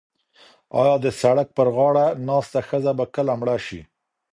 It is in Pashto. ایا د سړک پر غاړه ناسته ښځه به کله مړه شي؟